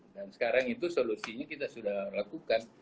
dan sekarang itu solusinya kita sudah lakukan